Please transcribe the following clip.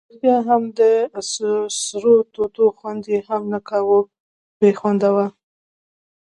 ریښتیا هم د سرو توتو خوند یې هم نه کاوه، بې خونده وو.